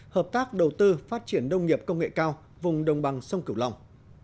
hợp tác đầu tư phát triển nông nghiệp công nghệ cao vùng đồng bằng sông cửu long